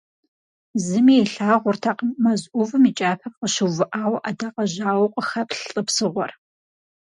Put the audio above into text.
Зыми илъагъуртэкъым мэз ӏувым и кӏапэм къыщыувыӏауэ ӏэдакъэжьауэу къыхэплъ лӏы псыгъуэр.